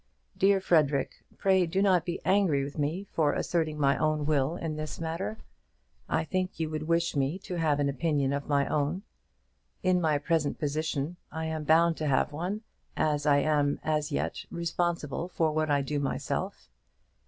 Dear Frederic, pray do not be angry with me for asserting my own will in this matter. I think you would wish me to have an opinion of my own. In my present position I am bound to have one, as I am, as yet, responsible for what I do myself.